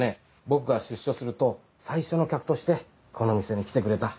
僕が出所すると最初の客としてこの店に来てくれた。